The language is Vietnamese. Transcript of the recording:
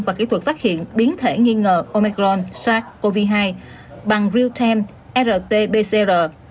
và kỹ thuật phát hiện biến thể nghi ngờ omicron sars cov hai bằng realtime rt pcr